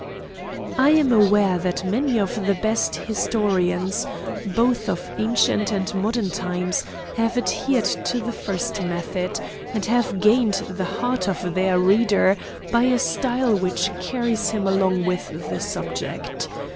I am aware that many of the best historians, both of ancient and modern times, have adhered to the first method, and have gained the heart of their reader, by a style which carries him along with the subject.